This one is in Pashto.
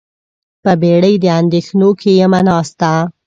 په بیړۍ د اندیښنو کې یمه ناسته